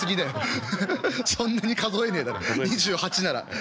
そんなに数えねえだろ２８なら。